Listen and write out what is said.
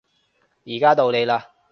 而家到你嘞